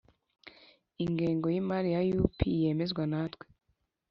Ingengo y imari ya U P yemezwa natwe